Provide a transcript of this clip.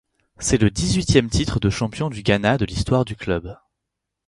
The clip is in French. C'est le dix-huitième titre de champion du Ghana de l'histoire du club.